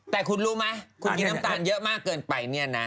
แต่คุณรู้ไหมคุณกินน้ำตาลเยอะมากเกินไปเนี่ยนะ